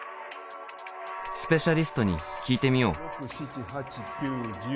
スペシャリストに聞いてみよう。